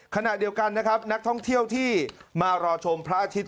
ขณะเดียวกันนะครับนักท่องเที่ยวที่มารอชมพระอาทิตย